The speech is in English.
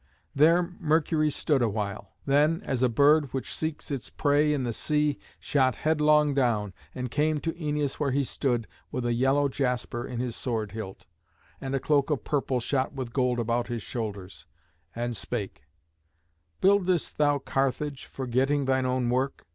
There Mercury stood awhile; then, as a bird which seeks its prey in the sea, shot headlong down, and came to Æneas where he stood, with a yellow jasper in his sword hilt, and a cloak of purple shot with gold about his shoulders, and spake: "Buildest thou Carthage, forgetting thine own work?